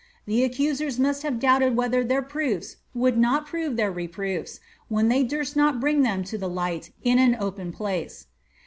The accusers must have doubted whether their prooft would not prove their reproofs^ when they durst not bring them to the light in an open place."